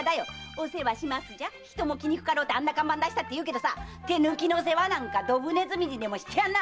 「お世話します」じゃ人も来にくかろうってあんな看板出したっていうけど手抜きの世話なんかドブネズミにでもしてやんな！